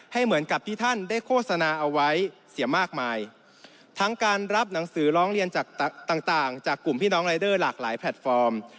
เหมือนกับที่ท่านได้โฆษณาเอาไว้เสียมากมายทั้งการรับหนังสือร้องเรียนจากต่างต่างจากกลุ่มพี่น้องรายเดอร์หลากหลายแพลตฟอร์ม